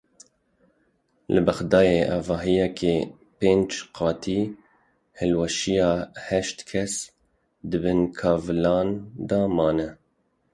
Li Bexdayê avahiyeke pênc qatî hilweşiya heşt kes di bin kavilan de mane.